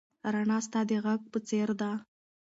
رڼا ستا د غږ په څېر ده.